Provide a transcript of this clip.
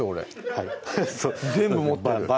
はい